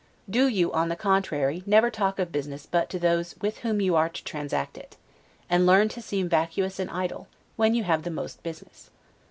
Do you, on the contrary, never talk of business but to those with whom you are to transact it; and learn to seem vacuus and idle, when you have the most business.